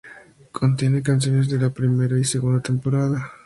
Contiene canciones de la primera y segunda temporada.